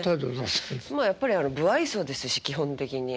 まあやっぱり無愛想ですし基本的に。